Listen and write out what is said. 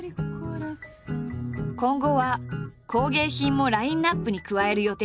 今後は工芸品もラインアップに加える予定だ。